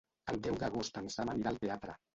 El deu d'agost en Sam anirà al teatre.